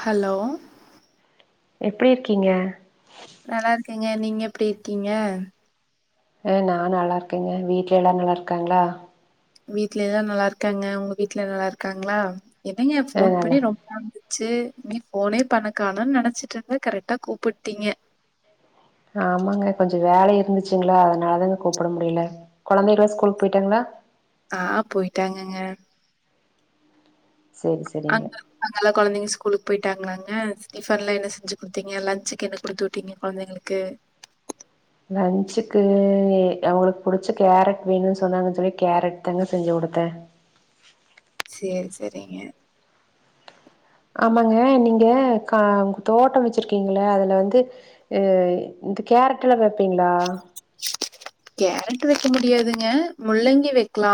Hello எப்டி இருக்கீங்க ஏங்க நீங்க எப்டி இருக்கீங்க ஹ நான் நல்லா இருக்கேங்க வீட்ல எல்லாரும் நல்லா இருக்காங்களா வீட்ல எல்லா நல்லா இருக்காங்க உங்க வீட்டு்ல எல்லா நல்லா இருக்காங்களா என்னங்க ஆ போன் நல்லா பண்ணி ரொம்ப நாளாகுது ச்சு நீ போனே பண்ணக்கானனு நெனச்சிட்டு இருந்த கரெக்டா கூப்பிட்டீங்க ஆமாங்க கொஞ்சோ வேலை இருந்துச்சுங்களா அதனால தாங்க கூப்பிட முடியல கொழந்தைகளா ஸ்கூல் போயிட்டாங்களா ஆ போயிட்டாங்கங்க சேரி சேரிங்க அங்க அங்கெல்லா கொழந்தைங்க ஸ்கூலுக்கு போயிட்டாங்களாங்க டிபன் எல்லா என்ன செஞ்சு குடுத்தீங்க லஞ்சுக்கு என்ன குடுத்துட்டீங்க கொழந்தைங்களுக்கு லன்ச்சுக்கு அவுங்களுக்கு புடிச்ச கேரட் வேணும்னு சொன்னாங்கன்னு சொல்லி கேரட் தாங்க செஞ்சு கொடுத்த சேர் சேரிங்க ஆமாங்க நீங்க கா தோட்டோ வெச்சிருக்கீங்கள அதுல வந்து அ இந்த கேரட்ல்லா வெப்பீங்களா கேரட் வெக்க முடியாதுங்க முள்ளங்கி வெக்கலா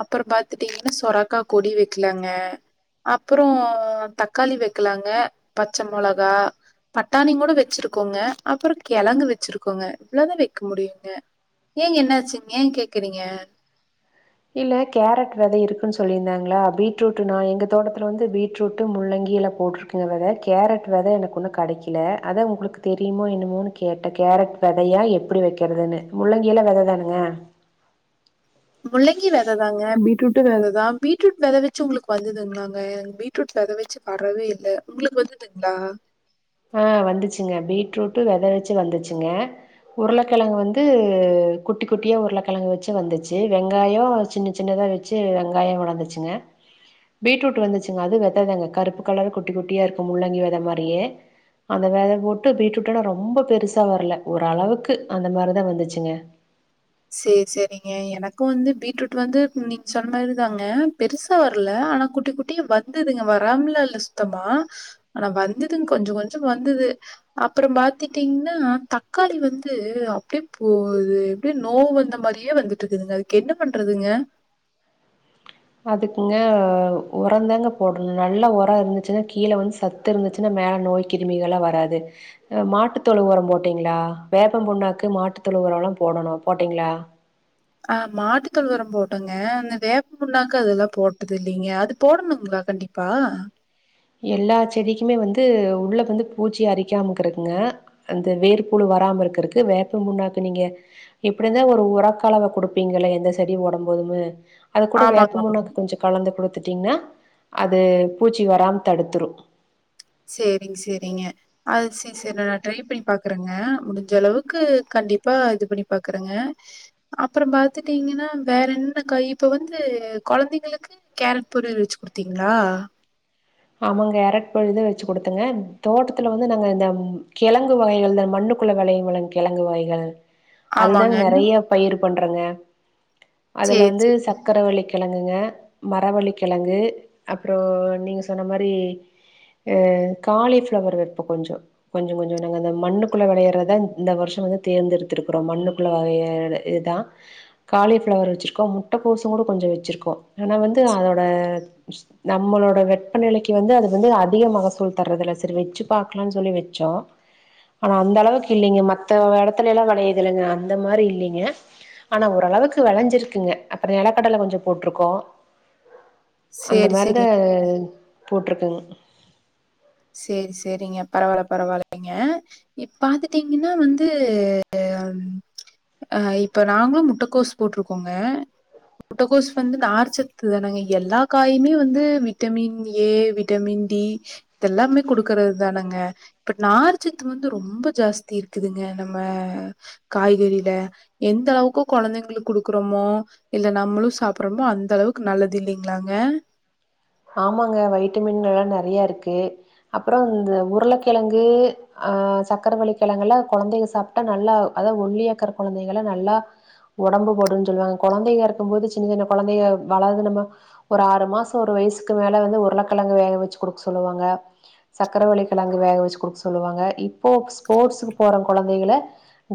அப்றோ பாத்துட்டீங்கன்னா சொரக்கா கொடி வெக்கலாங்க அப்புறோ தக்காளி வெக்கலாங்க பச்ச மொளகா பட்டானிங்கூட வெச்சிருக்கோங்க அப்புறோ கிழங்கு வெச்சிருக்கோங்க இவ்ளோதா வெக்க முடியுங்க ஏங்க என்னாச்சுங் ஏ கேக்குறீங்க இல்ல கேரட் வெத இருக்குன்னு சொல்லிந்திங்களா பீட்ரூட் நா எங்க தோட்டத்துல வந்து பீட்ரூட்டு முள்ளங்கில்லா போட்டுருக்கங்க வெத கேரட் வெத எனக்கு ஒன்னு கெடக்கல அத உங்களுக்கு தெரியுமோ என்னுமோன்னு கேட்டே கேரட் வெதயா எப்டி வெக்கிறதுன்னு முள்ளங்கில வெத தானுங்க முள்ளங்கி வெததாங்க பீட்ரூட் வெததா பீட்ரூட் வெத வெச்சி உங்களுக்கு வந்துதுங்களாங்க பீட்ரூட் வெத வெச்சி வரவே இல்ல உங்களுக்கு வந்துதுங்களா ஆஹ் வந்துச்சுங்க பீட்ரூட் வெத வெச்சு வந்துச்சுங்க உருளக்கெழங்கு வந்து குட்டி குட்டியா உருளக்கெழங்கு வெச்சு வந்துச்சு வெங்காயோ சின்ன சின்னதா வெச்சு வெங்காயோ வளரந்துச்சுங்க பீட்ரூட் வந்துச்சுங்க அது வெத தாங்க கருப்பு கலரு குட்டி குட்டியா இருக்கும் முள்ளங்கி வெத மாரியே அந்த வெத போட்டு பீட்ரூட்டானா ரொம்ப பெருசா வரல ஓரளவுக்கு அந்த மாரிதா வந்துச்சுங்க சேர் சேரிங்க எனக்கு வந்து பீட்ரூட் வந்து நீங்க சொன்ன மாரிதாங்க பெருசா வரல ஆனா குட்டி குட்டி வந்துதுங்க வராமாலா இல்ல சுத்தமா ஆனா வந்துதுங் கொஞ்சோ கொஞ்சோ வந்தது அப்புறோ பாத்துட்டீங்னா தக்காளி வந்து அப்டியே போது அப்டியே நோவு வந்த மாரியே வந்துட்டுடிருக்குதுங்க அதுக்கு என்ன பண்றதுங்க அதுக்குங்க உரந்தாங்க போடணு நல்லா உரோ இருந்துச்சுன்னா கீழ வந்து சத்து இருந்துச்சுன்னா மேல நோய் கிருமிகள்ளா வராது மாட்டுத்தொழு உரம் போட்டீங்களா வேப்பம் பூண்ணாக்கு மாட்டுத்தெழு உரோ எல்லா போடணு போட்டீங்களா அ மாட்டுத்தோழுவெரோ போட்டங்க அந்த வேப்பம் புன்னாக்கு அதெல்லா போட்டது இல்லங்க அது போடணுங்களா கண்டிப்பா எல்லா செடிக்குமே வந்து உள்ள வந்து பூச்சி அரிக்காம இருக்கறக்குங்க அந்த வேர்பூழு வராம இருக்கறக்கு வேப்ப புன்னாக்கு நீங்க எப்டி இருந்தா ஒரு உரக்க களவ குடுப்பீங்க எந்த செடி ஓடும் போதும்னு அது கூட ஆமாங்க, ஆமாங்க. வேப்பமுன்னாக்கு கொஞ்சோ கலந்து குடுத்து ங்கன்னா அது பூச்சி வராம் தடுத்துரு செரிங்க செரிங்க அது செரி செரி ந நா ட்ரை பண்ணி பாக்குறேங்க முடிஞ்ச அளவுக்கு கண்டிப்பா இது பண்ணி பாக்குறேங்க அப்புறோ பாத்துட்டீங்கன்னா வேற என்ன கை இப்ப வந்து கொழந்தைங்களுக்கு கேரட் பொரியல் வெச்சு குடுத்தீங்களா ஆமாங் கேரட் பொரியல் தா வெச்சு குடுத்துங்க தோட்டத்துல வந்து நாங்க இந்த உம் கெழங்கு வகைகள் இந்த மண்ணுக்குள்ள வெளையுமுள்ள கெழங்கு வகைகள் அதுதாங்க ஆமாங்க. நெறைய பயிருக் பண்றங்க அதுல சரி, வந்து சரி. சக்கர வள்ளி கெ கெழங்குங்க மரவழி கிலங்கு அப்புறோ நீங்க சோ சொன்னாமாறி ஏ காலிஃப்ளவர் வெப்ப கொஞ்சோ கொஞ்சோ கொஞ்சோ நாங்க அந்த மண்ணுக்குள்ளே வெளையர்த இந்த வருஷோ வந்து தேர்ந்தெடுத்திருக்கிறோ மண்ணுக்குள்ளே வெளய ஏ இத்தா காலிஃப்ளவர் வெச்சுருக்கோ முட்டைக்கோஸ்ங்கோட கொஞ்சொ வெச்சுருக்கோ ஆனா வந்து அதோட நம்மளோட வெப் ப்ப நெலைக்கு வந்து அது வந்து அதிக மகசூல் தர்றதுல்ல சேரி வெச்சு பாக்கலாம்னு சொல்லி வெச்சோ ஆனா அந்த அளவுக்கு இல்லைங்க மத்த எடத்துலல்லா வெளையு தில்லைங்க அந்த மாரி இல்லிங்க ஆனா ஓரளவுக்கு வெளைஞ்சிருக்குங்க அப்புரோ நிலக்கடல கொஞ்சொ போட்டிருக்கோ அந்த சரி, மாரிதா சரி. அ போட்டிருக்கங் சேரி சேரிங்க பரவாயில்ல பரவாயில்லைங்க இப் பாத்துட்டீங்கன்னா வந்து அஹ இப்ப நாங்களு முட்டைகோஸ் போட்டிருக்கோங்க முட்டகோஸ் வந்து நார்ச்சத்து தானங்க எல்லா காயுமே வந்து விட்டமின் ஏ விட்டமின் டி இதெல்லாமே குடுக்கறது தானேங்க பட் நார்சத்து வந்து ரொம்ப ஜாஸ்தி இருக்குதுங்க நம்ம காய்கறில எந்த அளவுக்கு கொழந்தைங்களு குடுக்குறோமோ இல்ல நம்மளு சாப்புறோம்ப அந்த அளவுக்கு நல்லது இல்லைங்களாங்க ஆமாங்க வைட்டமின் எல்லா நெறைய இருக்கு அப்புறோ இந்த உருளக்கெலங்கு ஆஹ சக்கரவள்ளி கெளங்கல்ல கொழந்தைக சாப்டா நல்லா அத்தா ஒல்லியாக்கற கொழந்தகெல்லா நல்லா உடம்பு போடுன்னு சொல்லுவாங்க கொழந்தைங்க இருக்கு போது சின்ன சின்ன கொழந்தைங்க வளந்து நம்ம ஒரு ஆறு மாசோ ஒரு வயசு க்கு மேலே வந்து உருளக்கிலங்கு வேக வெச்சு குடுக் சொல்லுவாங்க சக்கரவள்ளி கெலங்கு வேக வெச்சு குடுக்க சொல்லுவாங்க இப்போ ஸ்போர்ட்ஸ்க்கு போற கொழந்தைகள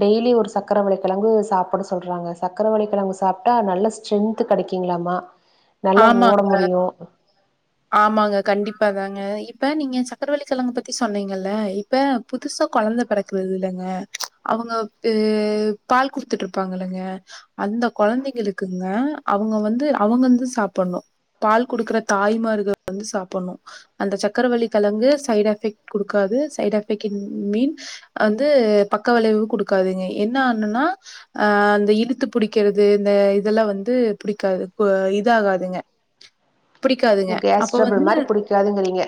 டெய்லி ஒரு சக்கரவள்ளி கெலங்கு சாப்ட சொல்றாங்க சக்கரவள்ளி கிழங்கு சாப்பிட்டா நல்ல ஸ்ட்ரென்த் கெடைக்குங்களாமா நல்லா ஓட ஆமாங்க முடியு ஆமாங்க கண்டிப்பாதாங்க இப்ப நீங்க சக்கரவள்ளிகெலங்க பத்தி சொன்னீங்கல்ல இப்ப புதுசா கொழந்த பெறக்குது இல்லேங்க அவுங்க ஏ பால் குடுத்துட்டு இருப்பாங்கல்லங்க அந்த கொழந்தைங்களுக்குங்க அவுங்க வந்து அவுங்க வந்து சாப்புடணு பால் குடுக்குற தாய்மார் வந்து சாப்புட்ணு அந்த சக்கரவள்ளி கெழங்கு சைடு் எஃபெக்ட் குடுக்காது சைட் எஃபெக்ட் மீன் வந்து பக்க விளைவு கொடுக்காதுங்க என்ன ஆண்ணன்னா அஹ அந்த இழுத்து புடிக்கிறது இந்த இதெல்லாம் வந்து புடிக்காது ஒ இது ஆகாதுங்க புடிக்காதுங்க ட்ரபுள் மாரி புடிக்காதுங்றீங்க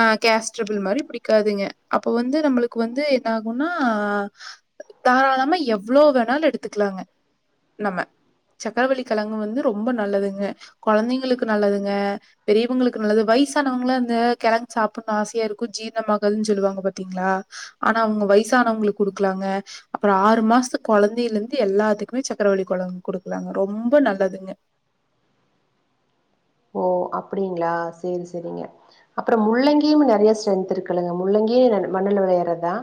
ஆ கேஸ்ட்ரபிள் மாரி பிடிக்காதுங்க அப்ப வந்து நம்மளுக்கு வந்து என்ன ஆகும்னா தாராளமா எவ்ளோ வேணாலு எடுத்துக்கலாங்க நம்ம சக்கரவள்ளி கெலங்கு வந்து ரொம்ப நல்லதுங்க கெழந்தைங்களுக்கு நல்லதுங்க பெரியவங்களுக்கு நல்லது வயசானவங்கள்ல அந்த கெலங்கு சாப்புனுன்னு ஆசையா இருக்கு ஜீரணமாகாதுன்னு சொல்லுவாங்க பாத்தீங்களா ஆனா அவுங்க வயசானவங்களுக்கு குடுக்கலாங்க அப்புறோ ஆறு மாசத்து கொழந்தையில இருந்து எல்லாத்துக்குமே சக்கரவள்ளி கொழ குடுக்கலாங்க ரொம்ப நல்லதுங்க ஓ அப்டிங்களா சேரி சேரிங்க அப்புறோ முள்ளங்கியும் நெறைய ஸ்ட்ரென்த் இருக்குல்லங்க முள்ளங்கி ந மண்ணல வெளையர்தா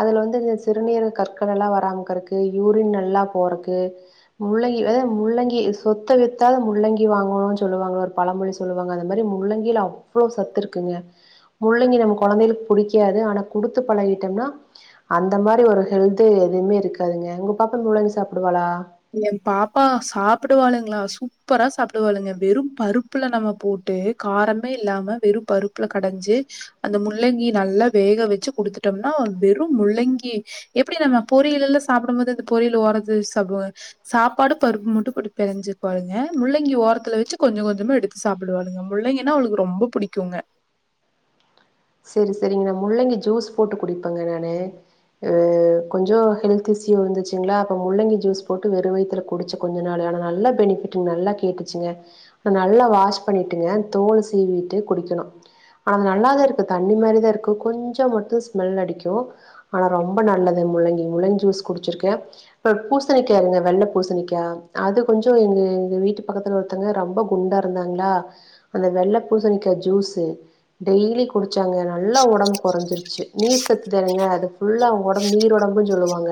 அதுல வந்து சிறுநீர் கற்கள் எல்லா வராமக்கிறதுக்கு யூரின் நல்லா போறக்கு முள்ளங்கி அதாவது முள்ளங்கி சொத்த வித்தாது முள்ளங்கி வாங்கோனோனு சொல்லுவாங்கல்ல பழமொழி சொல்லுவாங்க அந்த மாரி முள்ளங்கில அவ்ளோ சத்து இருக்குங்க முள்ளங்கி நம்ம கொழந்தைகளுக்கு புடிக்காது ஆனா குடுத்து பழகிட்டோம்னா அந்த மாரி ஒரு ஹெல்து எதுவுமே இருக்காதுங்க உங்க பாப்பா முள்ளங்கி சாப்பிடுவாளா ஏ பாப்பா சாப்பிடுவளுங்களா சூப்பரா சாப்பிடுவளுங்க வெறு பருப்புல நம்ம போட்டு காரமே இல்லாம வெறு பருப்புல கடைஞ்சு அந்த முள்ளங்கி நல்லா வேக வெச்சு குடுத்துட்டோம்னா வெறு முள்ளங்கி எப்டி நம்ம பொரியல் எல்லா சாப்பிடு போது இந்த பொரியல் ஓறதுல வேச் சாப்புடுவோ சாப்பாடு பருப்பு மட்டு போட்டு பெனஞ்சுக்குவளுங்க முள்ளங்கி ஓரத்துல வெச்சு கொஞ்சோ கொஞ்சோமா எடுத்து சாப்பிடுவாளுங்க முள்ளங்கினா அவளுக்கு ரொம்ப புடிக்குங்க செரி செரிங்க முள்ளங்கி ஜூஸ் போட்டு குடிப்பங்க நானு ஹ கொஞ்சோ ஹெல்த் இஸ்யூ இருந்துச்சுங்களா அப்ப முள்ளங்கி ஜூஸ் போட்டு வெறு வயத்துல குடிச்ச கொஞ்ச நாளு ஆனா நல்ல பெனிபிட்டு நல்லா கேட்டுச்சுங்க நா நல்லா வாஷ் பண்ணிட்டுங்க தோலு சீவிட்டு குடிக்கணு ஆனா நல்லதா இருக் [unintelligible] தண்ணி மாரிதா இருக்கு கொஞ்சோ மட்டு ஸ்மெல் அடிக்கு ஆனா ரொம்ப நல்லது முள்ளங்கி முள்ளங்கி ஜுஸ் குடிருக்கே ப பூசணிக்கா [unintelligible] வெள்ள பூசணிக்கா அது கொஞ்சோ எங்கு எங்கு வீட்டு பக்கத்துல ஒருத்தங்க ரம்பா குண்டா இருந்தாங்ல அந்த வெள்ள பூசணிக்கா ஜுசு டெய்லி கு டுச்சாங்க நல்லா ஒடம்பு குறஞ்சிருச் ச்சு நீர் சத்து தானுங்க அது ஃபுல்லா ஒடம்பு நீர் ஒடம்புன்னு சொல்லுவாங்க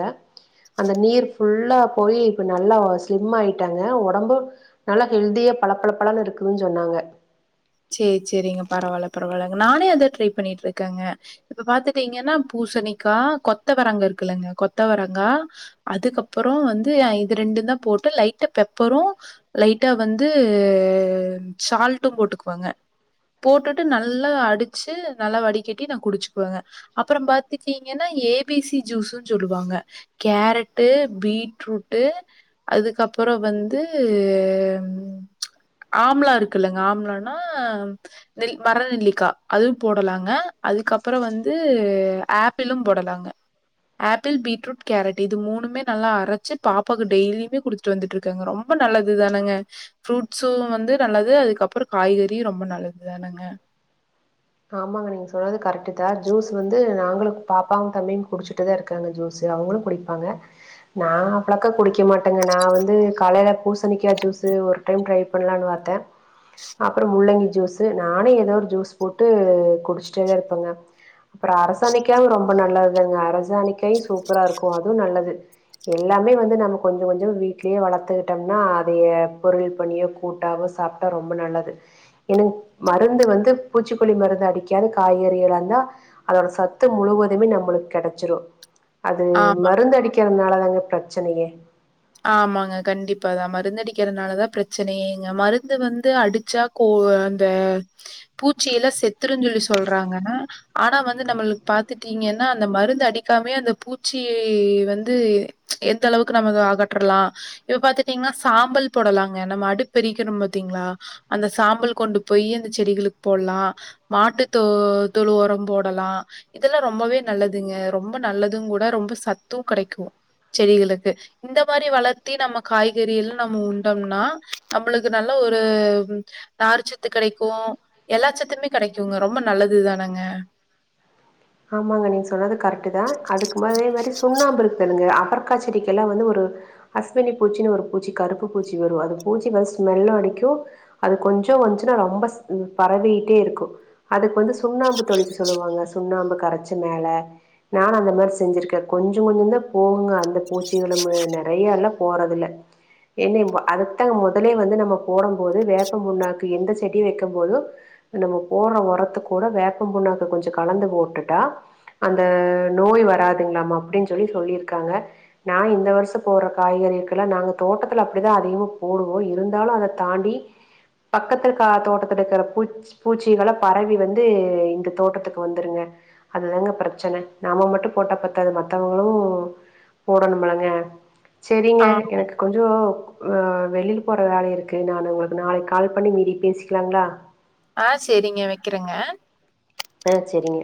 அந்த நீர் ஃபுல்லா போய் இப்ப நல்லா ஸ்லிம் ஆய்ட்டாங்க ஒடம்பு நல்லா ஹெல்தியா பளப்பளப்பளனு இருக்குன்னு சொன்னாங்க சேர் சேரிங்க பரவால்ல பரவால்ல நானே அத ட்ரை பண்ணிட்டு இருக்கேங்க இப்ப பாத்துட்டீங்கன்னா பூசணிக்கா கொத்தவரங்கா இருக்குல்லங்க கொத்தவரங்கா அதுக்கப்புறோ வந்து இது ரெண்டு தா போட்டு லைட்டா பெப்பரு லைட்டா வந்து சால்ட்டும் போட்டுக் கோங்க போட்டுடு நல்லா அடிச்சு நல்லா வடிக்கட்டி நா குடிச்சுக்குவேங்க அப்புறம் பாத்தீடீக்கீங்கன்னா ஏ பி சி ஜுஸ்னு சொல்லுவாங்க கேரட்டு பீட்ரூட்டு அதுக்கப்புறோ வந்து ஆம்லா இருக்குல்லங்க ஆம்லான் ஆஹ் நெல் மரநெல்லிகா அதுவு போடலாங்க அதுக்கப்புர வந்து ஆப்பிளு போடலாங்க ஆப்பிள் பீட்ருட் கேரட் இது மூன்மே நல்லா அரச்சு பாப்பாக்கு டெய்லியுமே குடுத்துட்டு வந்துட்டு இருக்கேங்க ரொம்ப நல்லது தானங்க ஃப்ரூட்ஸ்சு வந்து நல்லது அதுக்கப்ரோ காய்கறியு ரொம்ப நல்லதுதானுங்க ஆமாங்க நீங்க சொல்றது கரெக்ட் தா ஜூஸ் வந்து நாங்களுக்கு பாப்பாவு தம்பியு குடிச்சுட்டுதா இருக்காங்க ஜூஸ்சு அவங்களு குடிப்பாங்க நா அப்ளக்கா குடிக்க மாட்டேங்க நா வந்து காலையில பூசணிக்கா ஜூஸ்சு ஒரு டைம் ட்ரை பண்ணலானு பாத்தே அப்புறோ முள்ளங்கி ஜூஸ்சு நானே ஏதோ ஒரு ஜூஸ் போட்டு குடிச்சிட்டேதா இருப்பங்க அப்புறோ அரசாணிக்காவு ரொம்ப நல்லதுதாங்க அரசாணிக்காயு சூப்பரா இருக்கு அதுவு நல்லது எல்லாமே வந்து நம்ம கொஞ்சோ கொஞ்சோ வீட்லயே வளத்துட்டோம்னா அதைய பொரியல் பண்ணியோ கூட்டாவோ சாப்பிட்டா ரொம்ப நல்லது எனங் மருந்து வந்து பூச்சிக்கொல்லி மருந்து அடிக்காது காய்கறிகளாந்தா அதோட சத்து முழுவதுமே நம்மளுக்கு கெடச்சுரு அது ஆமா மருந்து அடிக்கிறனால தாங்க பிரச்சனையே ஆமாங்க கண்டிப்பாதா மருந்து அடிக்கிறதுனாலதா பிரச்சனையேங்க மருந்து வந்து அடிச்சா கோ அந்த பூச்சியெல்ல செத்துருன்னு சொல்லி சொல்றாங்கன்னா ஆனா வந்து நம்மளு பாத்துட்டீங்கன்னா அந்த மருந்து அடிக்காமே அந்த பூச்சி வந்து ச்சே எந்த அளவுக்கு நம ஆக டுரல இப்ப பாத்துட்டீங்கன்னா சாம்பல் போடலாங்க நம்ம அடுப்பெரிக்கிறோ பாத்தீங்களா அந்த சாம்பல் கொண்டு போய் அந்த செடிகளுக்கு போடலா மாட்டு தொ தொழு உரம் போடலா இதெல்லா ரொம்பவே நல்லதுங்க ரொம்ப நல்லது கூட ரொம்ப சத்தும் கிடைக்கு செடிகளுக்கு இந்த இந்த மாரி வளர்த்தி நம்ம காய்கறி எல்லா நம் உண்டோம்னா நம்மளுக்கு நல்ல ஒரு நார்ச்சத்து கெடைக்கு எல்லா சத்துமே கெடைக்குங்க ரொம்ப நல்லதுதானங்க ஆமாங்க. நீங்க சொன்னது கரெக்ட்டு தான். பர்க்காச்செடிக்கெல்லா வந்து ஒரு அஸ்வனி பூச்சின்னு ஒரு பூச்சி கருப்பு பூச்சி வரும் அது பூச்சி வந் ஸ்மெல்லு அடிக்கு அது கொஞ்சோ வந்துச்சுன்னா ரொம்பஸ் பரவிட்டே இருக்கு அதுக்கு வந்து சுண்ணாம்பு தொளிக்க சொல்லுவாங்க சுண்ணாம்பு கரச்சி மேல நானு அந்த மாரி செஞ்சிருக்க கொஞ்சோ கொஞ்சோ தா போகுங்க அந்த பூச்சி எழும்பு நெறைய எல்லா போறதுல என்னே அத தா முதலே வந்து நம்ம போடம் போது வேப்பம் புண்ணாக்கு எந்த செடி வெக்க போது நம்ம போடுற உரத்து கூட வேப்பம் புண்ணாக்கு கொஞ்சோ கலந்து போட்டு டா அந்த நோய் வராதுங்ளாமா அப்டின்னு சொல்லி சொல்லிருகாங்க நா இந்த வருஷோ போட்ற காய்கறிகுல்ல நாங்க தோட்டத்துல அப்டிதா அதிகமா போடுவோ இருந்தாலு அத தாண்டி பக்கத்து கா தோட்டத்து இருக்குற பூச்சிகள பரவி வந்து இந்த தோட்டத்துக்கு வந்துருங்க அதுதாங்க ப்ரெச்சன நம்ம மட்டு போட்டா பத்தாதது மத்தவங்ளு போடணும்லங்க சேரிங்க ஆமா எனக்கு கொஞ்சோ ஆஹ் வெளில் போற வேல இருக்கு நா உங்ளுக்கு நாளைக் கால் பண்ணி மீதி பேசிக்லாங்ளா ஆஹ் சேரிங்க வக்கிறங்க ஆஹ் செரிங்க